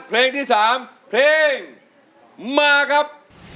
เพลงที่๓เพลงมาครับ